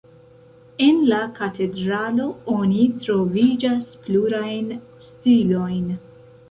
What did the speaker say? En la katedralo oni troviĝas plurajn stilojn.